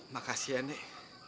makasih ya nek